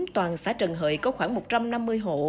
toàn xã trần hợi có khoảng một trăm năm mươi hộ